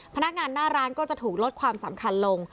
พนักงานหน้าร้านก็จะถูกลดความสำคัญลง